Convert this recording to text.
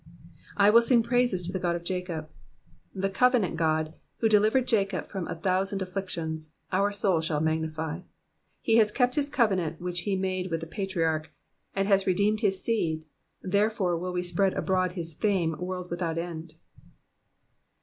'*i will mig praines to the Qod. of Jaeob,'*^ The covenant God, who delivered Jacob from a thousand afflictions, our soul shall magnify. He has kept his covenant which he made with the patriarch, and has redeemed his seed, there fore will we spread abroad his fame world without end.